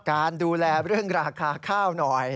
การดูแลเรื่องราคาข้าวหน่อย